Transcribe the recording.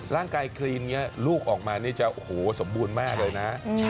ร่างกายคลีนลูกออกมาอูโหสมบูรณ์มากเลยนะ